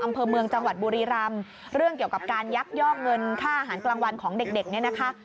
อำเภอเมืองจังหวัดบุรีรำเรื่องเกี่ยวกับการยักยอกเงินค่าอาหารกลางวันของเด็กเด็กเนี่ยนะคะ